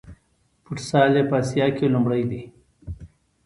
فوټسال یې په اسیا کې لومړی دی.